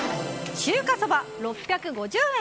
中華そば、６５０円。